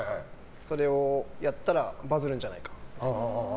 それをやったらバズるんじゃないかと。